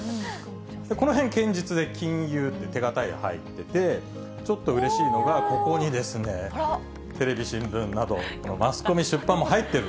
このへん、堅実で金融って、手堅いの入ってて、ちょっとうれしいのが、ここにですね、テレビ、新聞などマスコミ・出版も入ってる。